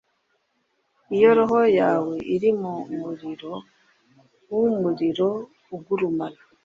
iyo roho yawe iri mu muriro wumuriro ugurumana